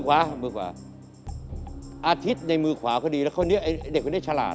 อาทิตย์ในมือขวาเขาดีแล้วเด็กอันนี้ฉลาด